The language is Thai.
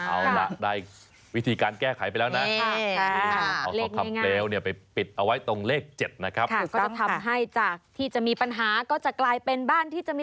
เอาล่ะได้วิธีการแก้ไขไปแล้วนะ